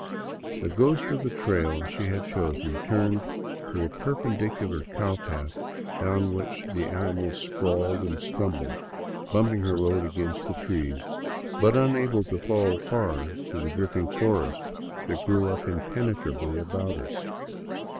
The ghost of a trail she had chosen turned to a perpendicular cowpath down which the animal sprawled and stumbled, bumping her load against the trees, but unable to fall far through the dripping forest that grew up impenetrably about us.